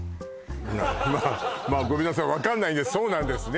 まあまあまあごめんなさい分かんないんでそうなんですね